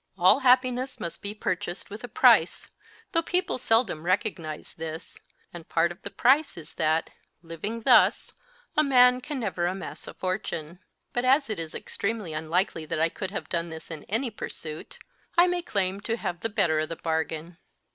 All happiness must be purchased with a price, though people seldom recognise this ; and part of the price is that, living thus, a man can never amass a fortune. But as it is extremely unlikely that I could have done this in any pursuit, I may claim to have the better of the bargain.